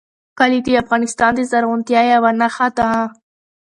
کلي د افغانستان د زرغونتیا یوه نښه ده.